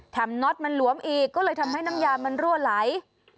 น็อตมันหลวมอีกก็เลยทำให้น้ำยามันรั่วไหล